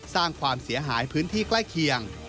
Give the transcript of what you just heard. สร้างความเสียหายพื้นที่ใกล้เคียง